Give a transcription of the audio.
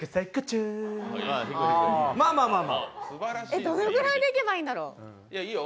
え、どのくらいでいけばいいんだろう？